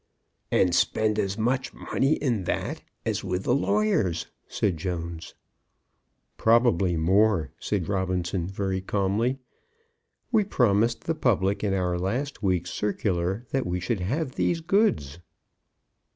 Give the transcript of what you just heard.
"And spend as much money in that as with the lawyers," said Jones. "Probably more," said Robinson, very calmly. "We promised the public in our last week's circular that we should have these goods."